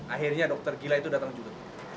akhirnya dokter gila itu datang juga